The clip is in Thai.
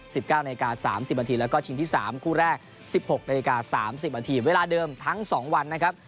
๑๙นาฬิกา๓๐วันทีแล้วก็ชิงที่๓คู่แรก๑๖นาฬิกา๓๐วันทีเวลาเดิมทั้ง๒วันนะครับ